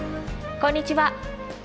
こんにちは。